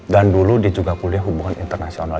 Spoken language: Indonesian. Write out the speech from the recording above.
dan dulu ge juga kuliah hubungan internasional